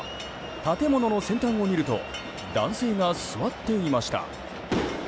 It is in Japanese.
建物の先端を見ると男性が座っていました。